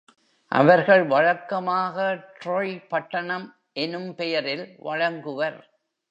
அவர்கள் வழக்கமாக ”ட்ரொய் பட்டணம் ” எனும் பெயரில் வழங்குவர்.